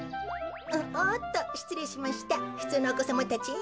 おっとしつれいしましたふつうのおこさまたち。